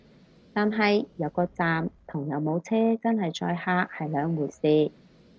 但係有個站同有冇車真係載客係兩回事